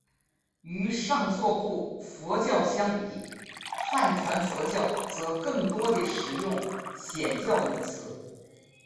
与上座部佛教相比汉传佛教则更多地使用显教一词。